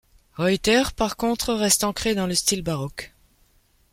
Reutter, par contre, reste ancré dans le style baroque.